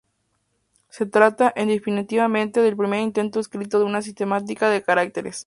Se trata, en definitiva, del primer intento escrito de una sistemática de caracteres.